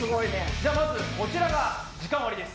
じゃあまずこちらが時間割です。